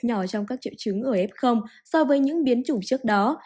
nhỏ trong các triệu chứng ở f so với những biến chủng trước đó